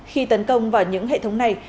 khi tấn công vào những hệ thống này